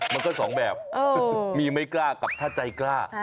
มันก็สองแบบมีไม่กล้ากับถ้าใจกล้า